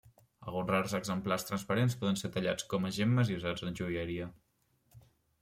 Alguns rars exemplars transparents poden ser tallats com a gemmes i usats en joieria.